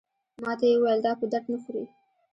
ماته یې وویل دا په درد نه خوري.